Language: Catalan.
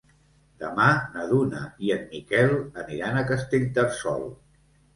Demà na Duna i en Miquel aniran a Castellterçol.